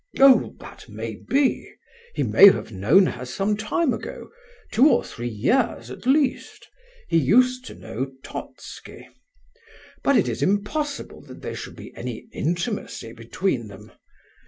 "Oh, that may be. He may have known her some time ago—two or three years, at least. He used to know Totski. But it is impossible that there should be any intimacy between them.